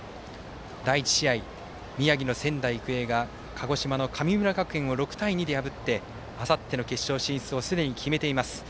第１試合、宮城の仙台育英が鹿児島の神村学園を６対２で破ってあさっての決勝進出をすでに決めています。